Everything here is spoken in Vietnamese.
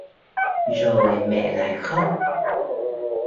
Rồi mẹ lại khóc